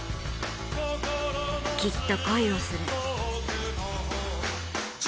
きっと恋をする。